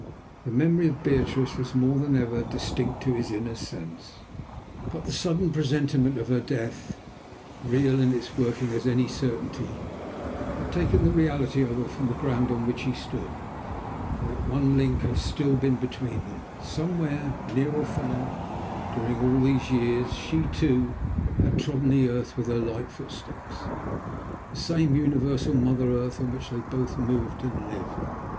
The memory of Beatrice was more than ever distinct to his inner sense, but the sudden presentiment of her death, real in its working as any certainty, had taken the reality of her from the ground on which he stood. For that one link had still been between them. Somewhere, near or far, during all these years, she, too, had trodden the earth with her light footsteps, the same universal mother earth on which they both moved and lived.